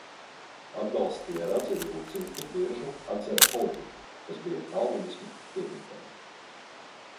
Atbalstīja Radzivilu dzimtu Biržu atzara politiku, kas bija kalvinisma piekritēji.